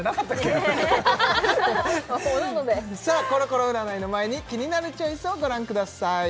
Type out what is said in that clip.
おのおのでさあコロコロ占いの前にキニナルチョイスをご覧ください